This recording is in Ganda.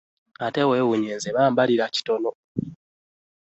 Ate weewuunye nze bambalirira kitono!